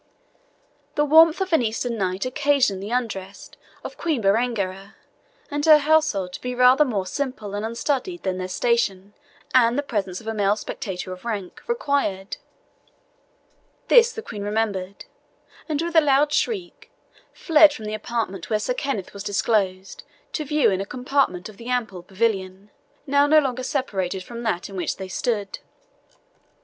The warmth of an Eastern night occasioned the undress of Queen Berengaria and her household to be rather more simple and unstudied than their station, and the presence of a male spectator of rank, required. This the Queen remembered, and with a loud shriek fled from the apartment where Sir Kenneth was disclosed to view in a compartment of the ample pavilion, now no longer separated from that in which they stood.